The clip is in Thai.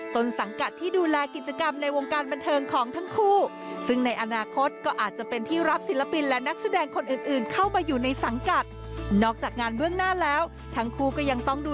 ส่วนสังกัดที่ดูแลกิจกรรมในวงการบันเทิงของทั้งคู่